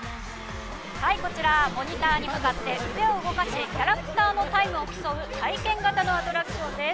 こちら、モニターに向かって手を動かしキャラクターのタイムを競う体験型のアトラクションです。